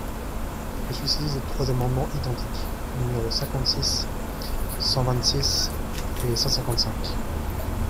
Je suis saisi de trois amendements identiques, numéros cinquante-six, cent vingt-six et cent cinquante-cinq.